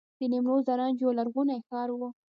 د نیمروز زرنج یو لرغونی ښار و